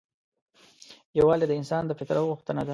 یووالی د انسان د فطرت غوښتنه ده.